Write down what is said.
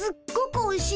おいしい！